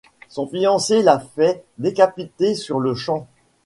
Son fiancé la fait décapiter sur-le-champ.